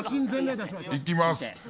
いきます。